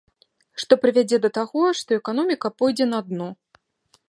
Што прывядзе да таго, што эканоміка пойдзе на дно.